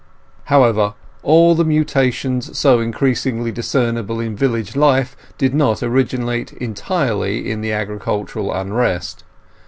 However, all the mutations so increasingly discernible in village life did not originate entirely in the agricultural unrest.